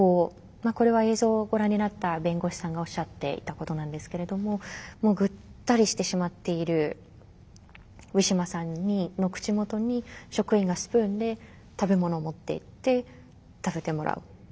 これは映像をご覧になった弁護士さんがおっしゃっていたことなんですけれどももうぐったりしてしまっているウィシュマさんの口元に職員がスプーンで食べ物を持っていって食べてもらう。